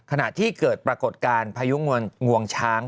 ขณะที่เกิดปรากฏการณ์พายุงวงช้าง